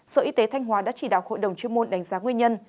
sở y tế thanh hóa đã chỉ đạo hội đồng chuyên môn đánh giá nguyên nhân